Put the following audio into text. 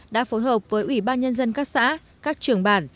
đã phối hợp với ủy ban nhân dân các xã các trường bản